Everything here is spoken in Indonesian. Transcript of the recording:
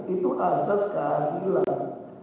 itu asas keadilan